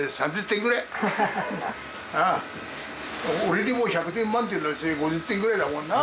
俺でも１００点満点のうち５０点ぐらいだもんな。